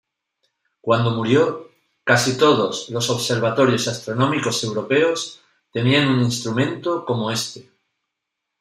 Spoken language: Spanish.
Cuando murió, casi todos los observatorios astronómicos europeos tenían un instrumento como este.